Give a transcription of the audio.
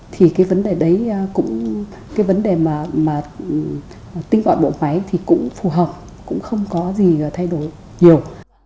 thì cái vấn đề đấy cũng cái vấn đề mà tinh gọn bộ máy thì cũng phù hợp cũng không có gì thay đổi nhiều